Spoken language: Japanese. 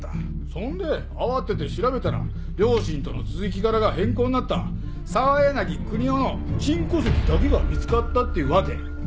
そんで慌てて調べたら両親との続き柄が変更になった澤柳邦夫の新戸籍だけが見つかったっていうわけ。